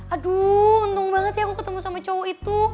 aduh untung banget ya aku ketemu sama cowok itu